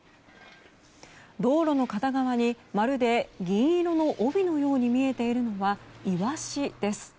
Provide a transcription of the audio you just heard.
道路の片側にまるで銀色の帯のように見えているのはイワシです。